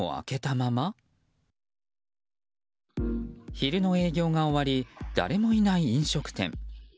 昼の営業が終わり誰もいない飲食店。